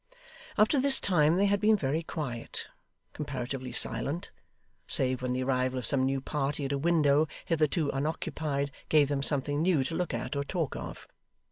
Up to this time they had been very quiet, comparatively silent, save when the arrival of some new party at a window, hitherto unoccupied, gave them something new to look at or to talk of.